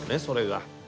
それが。